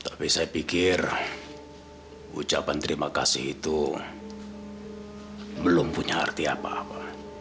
tapi saya pikir ucapan terima kasih itu belum punya arti apa apa